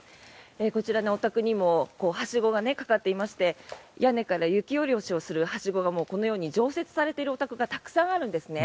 こちらのお宅にもはしごがかかっていまして屋根から雪下ろしをするはしごがこのようの常設されているお宅がたくさんあるんですね。